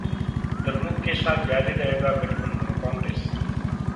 द्रमुक के साथ जारी रहेगा गठबंधन: कांग्रेस